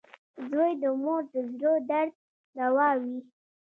• زوی د مور د زړۀ درد دوا وي.